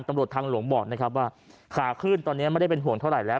ตำรวจทางหลวงบอกนะครับว่าขาขึ้นตอนนี้ไม่ได้เป็นห่วงเท่าไหร่แล้ว